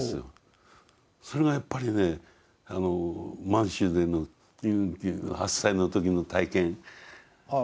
それがやっぱりね満州での８歳の時の体験。